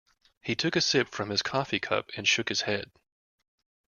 He took a sip from his coffee cup and shook his head.